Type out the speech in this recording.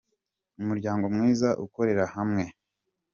Umuryango mwiza ukorera hamwe.